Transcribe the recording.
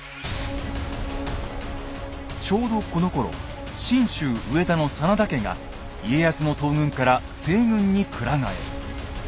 ちょうどこのころ信州上田の真田家が家康の東軍から西軍にくら替え。